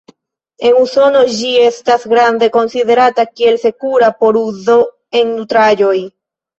En Usono ĝi estas grande konsiderata kiel sekura por uzo en nutraĵoj.